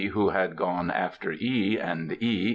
who had gone after E., and E.